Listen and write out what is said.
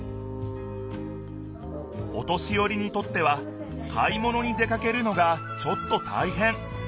お年よりにとっては買い物に出かけるのがちょっとたいへん。